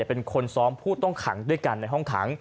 เป็นคนซ้อมผู้ต้องขังด้วยกันในห้องขัง